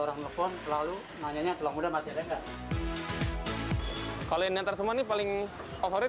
orang telepon lalu nanya nya tulang muda masih ada enggak kalian yang tersebut paling favorit